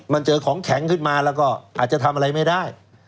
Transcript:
มันเจอของแข็งขึ้นมาแล้วก็อาจจะทำอะไรไม่ได้